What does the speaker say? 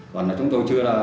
còn chúng tôi chưa là